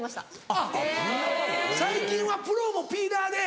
あっ最近はプロもピーラーで。